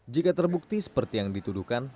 jika terbukti seperti yang dituduhkan